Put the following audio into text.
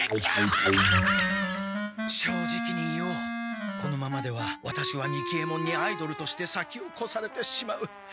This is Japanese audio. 正直に言おうこのままではワタシは三木ヱ門にアイドルとして先をこされてしまう。